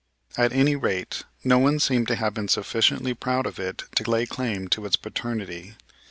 At any rate, no one seemed to have been sufficiently proud of it to lay claim to its paternity.